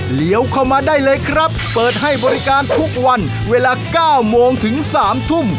เหลียวเข้ามาได้เลยครับเปิดให้บริการทุกวันเวลาเก้าโมงถึงสามทุ่ม